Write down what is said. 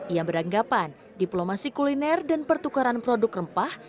ia beranggapan diplomasi kuliner dan pertukaran produk rempah